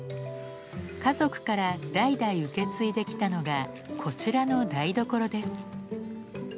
家族から代々受け継いできたのがこちらの台所です。